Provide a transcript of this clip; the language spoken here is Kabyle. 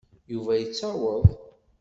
Yuba yettaweḍ.